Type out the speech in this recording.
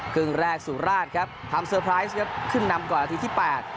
ครึ่งแรกสุราชครับทำเตอร์ไพรส์ครับขึ้นนำก่อนนาทีที่แปด